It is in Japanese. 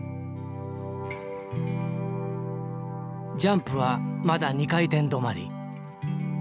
ジャンプはまだ２回転どまり。